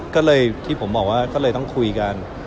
ก็เลยที่ผมบอกว่าก็เลยต้องคุยกัน